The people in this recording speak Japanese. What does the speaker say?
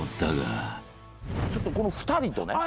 ちょっとこの２人とね。